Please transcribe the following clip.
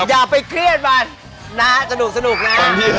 อย่าไปเครียดมันนะฮะสนุกเลย